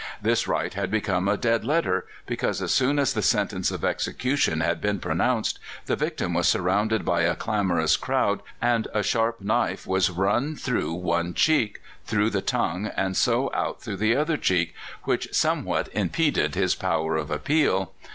This right had become a dead letter, because, as soon as the sentence of execution had been pronounced, the victim was surrounded by a clamorous crowd, and a sharp knife was run through one cheek, through the tongue, and so out through the other cheek, which somewhat impeded his power of appeal.